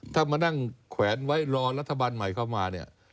ถ้ามานั่งแขวนไว้รอรัฐบาลใหม่เข้ามาเนี่ย